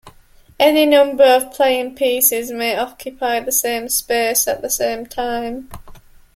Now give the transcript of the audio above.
Any number of playing pieces may occupy the same space at the same time.